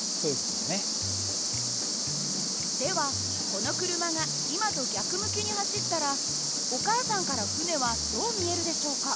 この車が今と逆向きに走ったらお母さんから船はどう見えるでしょうか。